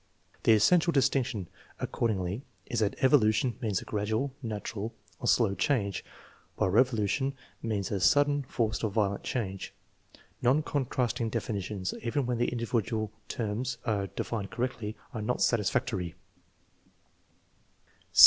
The essential distinction, accordingly, is that evolution means a 326 THE MEASUREMENT OF INTELLIGENCE gradual, natural, or slow change, while revolution means a sudden, forced, or violent change. Non contrasting definitions, even when the individual terras are defined correctly, arc not satisfactory.